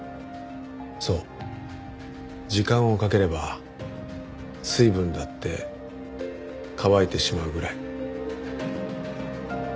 そう時間をかければ水分だって乾いてしまうぐらい。